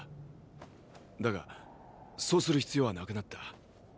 だがそうする必要はなくなった。